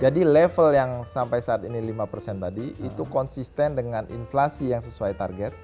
jadi level yang sampai saat ini lima tadi itu konsisten dengan inflasi yang sesuai target